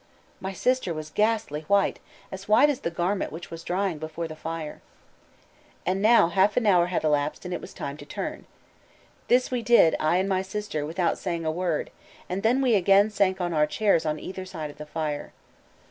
My sister was ghastly white, as white as the garment which was drying before the fire. And now half an hour had elapsed and it was time to turn.... This we did, I and my sister, without saying a word, and then we again sank on our chairs on either side of the fire.